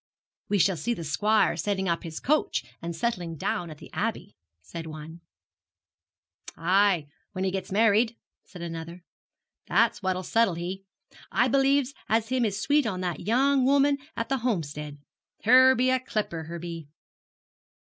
'We shall see the squire setting up his coach, and settling down at the Abbey,' said one. 'Ay, when he gets married,' said another; 'that's what'll settle he. I believes as him is sweet on that young 'ooman at the Homestead. Her be a clipper, her be.'